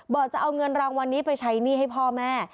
จะเอาเงินรางวัลนี้ไปใช้หนี้ให้พ่อแม่